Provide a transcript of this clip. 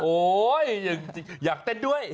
โอ้ยอยากเต้นด้วย